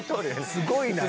すごいな。